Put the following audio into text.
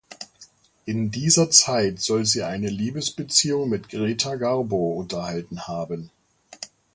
In dieser Zeit soll sie eine Liebesbeziehung mit Greta Garbo unterhalten haben.